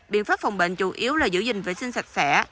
biện pháp phòng bệnh chủ yếu là giữ gìn vệ sinh sạch sẽ